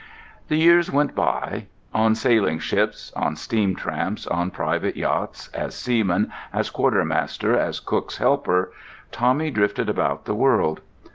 The years went by. On sailing ships, on steam tramps, on private yachts, as seaman, as quartermaster, as cook's helper, Tommy drifted about the world.